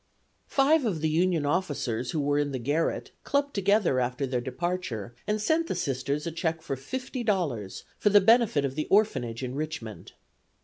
Five of the Union officers who were in the garret clubbed together after their departure and sent the Sisters a check for fifty dollars for the benefit of the orphanage in Richmond.